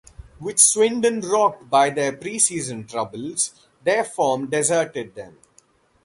With Swindon rocked by their pre-season troubles, their form deserted them.